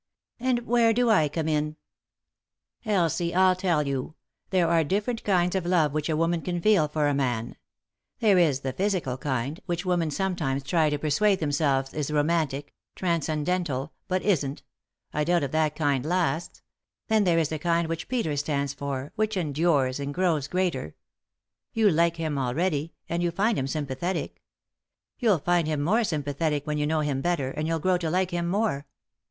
"And where do I come in?" " Elsie, 111 tell you. There are different kinds of love which a woman can feel for a man. There is the physical kind, which women sometimes try to persuade themselves is romantic, transcendental, but ;«y?e.c.V GOOglC THE INTERRUPTED KISS isn't — I doubt if that kind lasts. Then there is the kind which Peter stands for, which endures and grows greater. You like him already, and you find him sympathetic You'll find him more sympathetic when you know him better, and you'll grow to like him more.